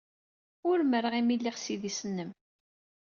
Umreɣ imi ay lliɣ s idis-nnem.